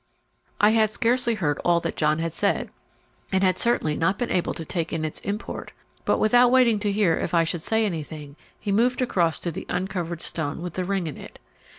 I had scarcely heard all that John had said, and had certainly not been able to take in its import; but without waiting to hear if I should say anything, he moved across to the uncovered stone with the ring in it.